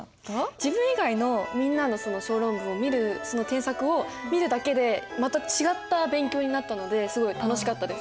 自分以外のみんなの小論文を見るその添削を見るだけでまた違った勉強になったのですごい楽しかったです。